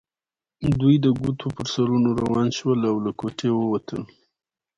دوی د ګوتو پر سرونو روان شول او له کوټې ووتل.